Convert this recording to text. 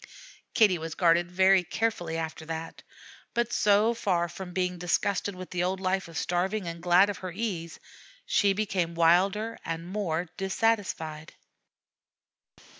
Kitty was guarded very carefully after that; but so far from being disgusted with the old life of starving, and glad of her ease, she became wilder and more dissatisfied.